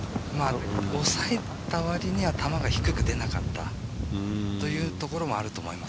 抑えた割には球が低く出なかったというところもあると思います。